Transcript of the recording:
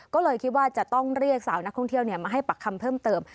ก็เลยคิดว่าจะต้องเรียกสาวนักท่องเที่ยวมาให้ปากคำเพิ่มเติม